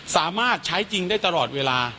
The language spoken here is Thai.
สามารถใช้จริงได้ตลอดเวลา